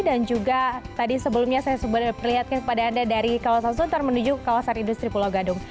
dan juga tadi sebelumnya saya sudah melihatkan kepada anda dari kawasan suntar menuju kawasan industri pulau gadung